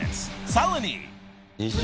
［さらに］